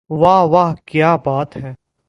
واہ واہ کیا بات ہے